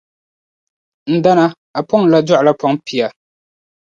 N dana, a pɔŋli la dɔɣila pɔŋ pia.